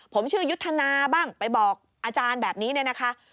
ผมชื่อยุทธนาบ้างไปบอกอาจารย์แบบนี้เนี่ยนะคะ